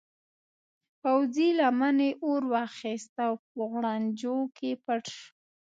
پوځي لمنې اور واخیست او په غوړنجو کې پټ شو.